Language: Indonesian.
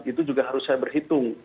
itu juga harus saya berhitung